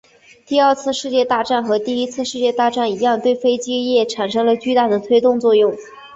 第二次世界大战和第一次世界大战一样对飞机业产生了巨大的推动作用。